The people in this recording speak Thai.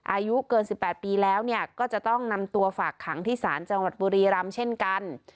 อายุเกิน๑๘ปีแล้วก็จะต้องนำตัวฝากขังที่ศาลจังหวัดบุรีรำเช่นกัน